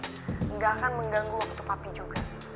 tidak akan mengganggu waktu papi juga